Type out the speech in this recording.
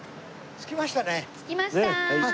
着きました。